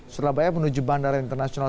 surabaya menuju bandara internasional